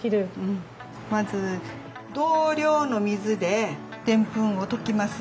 まず同量の水でデンプンを溶きます。